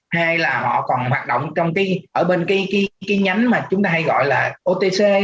hay là họ còn hoạt động ở bên cái nhánh mà chúng ta hay gọi là otc